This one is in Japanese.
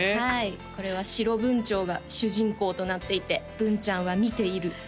はいこれは白文鳥が主人公となっていて「ブンちゃんは見ている」